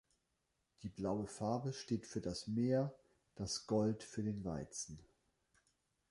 Die blaue Farbe steht für das Meer, das Gold für den Weizen.